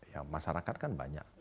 ya masyarakat kan banyak